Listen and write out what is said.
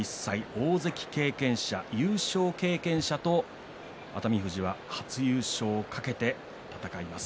大関経験者、優勝経験者と熱海富士が初優勝を懸けて戦います。